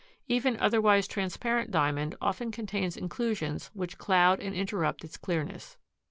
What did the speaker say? Even otherwise transparent Diamond often contains inclusions which cloud and interrupt its clearness.